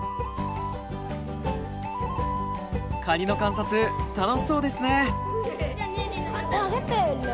カニの観察楽しそうですね。